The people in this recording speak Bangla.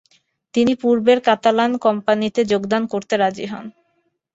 তিনি পূর্বের কাতালান কোম্পানিতে যোগদান করতে রাজি হন।